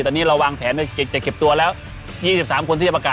ตอนนี้เราวางแผนจะเก็บจะเก็บตัวแล้วยี่สิบสามคนที่จะประการ